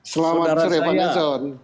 selamat sore pak nelson